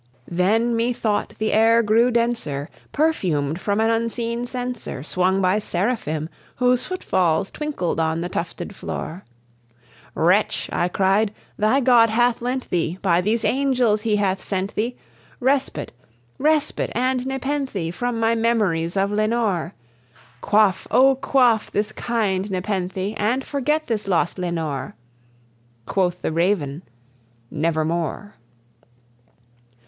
Then methought the air grew denser, perfumed from an unseen censer Swung by seraphim, whose footfalls twinkled on the tufted floor. "Wretch," I cried, "thy God hath lent thee by these angels He hath sent thee Respite respite and nepenthe from my memories of Lenore! Quaff, oh, quaff this kind nepenthe, and forget this lost Lenore!" Quoth the Raven, "Nevermore."